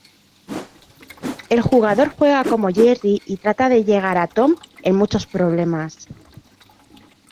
El jugador juega como Jerry y trata de llegar a Tom en muchos problemas.